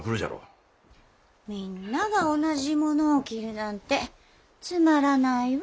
みんなが同じものを着るなんてつまらないわ。